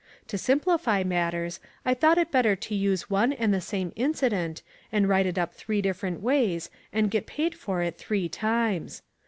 To simplify matters I thought it better to use one and the same incident and write it up in three different ways and get paid for it three, times.